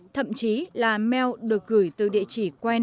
thậm chí là mail được gửi từ địa chỉ